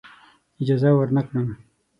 اجازه ورنه کړم.